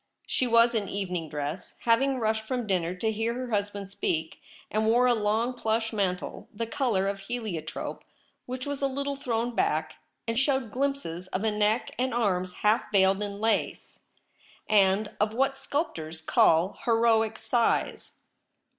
She o was in evening dress, having rushed from dinner to hear her husband speak, and w^ore a long plush mantle, the colour of heliotrope, which was a little thrown back, and showed glimpses of a neck and arms half veiled in lace, and of what sculptors call heroic size.